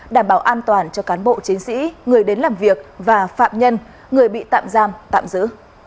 đảm bảo an toàn cho cán bộ chiến sĩ người đến làm việc và phạm nhân người bị tạm giam tạm giữ